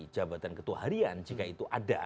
jabatan ketua harian jika itu ada